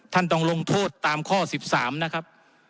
ท่านต้องลงโทษตามข้อ๑๓นะครับ